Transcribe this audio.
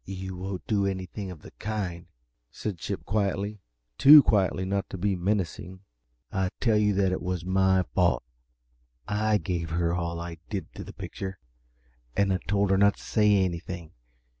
"You won't do anything of the kind," said Chip, quietly too quietly not to be menacing. "I tell you that was my fault I gave her all I did to the picture, and I told her not to say anything.